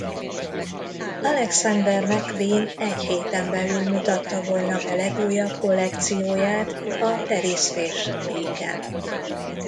Alexander McQueen egy héten belül mutatta volna be legújabb kollekcióját a Paris Fashion Weeken.